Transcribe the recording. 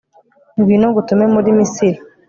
ngwino ngutume muri misiri